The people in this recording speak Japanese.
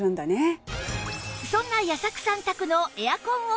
そんな矢作さん宅のエアコンをお掃除